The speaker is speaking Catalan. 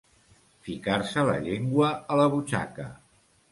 Ficar-se la llengua a la butxaca.